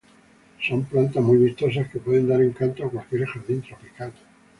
Son plantas muy vistosas que pueden dar encanto a cualquier jardín tropical.